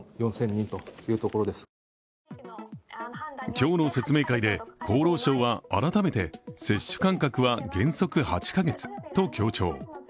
今日の説明会で厚労省は改めて接種間隔は原則８カ月と強調。